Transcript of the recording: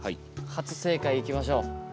初正解いきましょう。